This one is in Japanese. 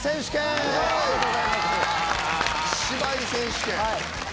芝居選手権。